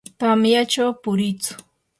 tamyachaw puriitsu.